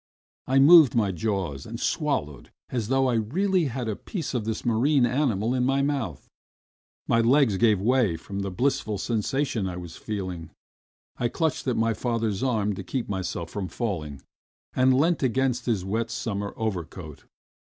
I moved my jaws and swallowed as though I really had a piece of this marine animal in my mouth ... My legs gave way from the blissful sensation I was feeling, and I clutched at my father's arm to keep myself from falling, and leant against his wet summer overcoat.